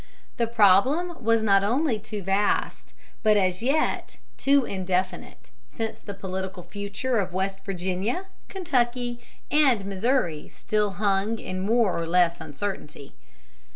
The problem was not only too vast, but as yet too indefinite, since the political future of West Virginia, Kentucky, and Missouri still hung in more or less uncertainty.